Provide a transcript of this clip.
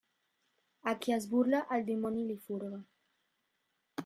A qui es burla, el dimoni li furga.